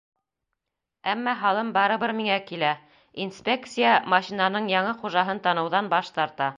Әммә һалым барыбер миңә килә, инспекция машинаның яңы хужаһын таныуҙан баш тарта.